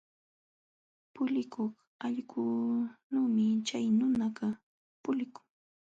Pulikuq allqunuumi chay nunakaq pulikun.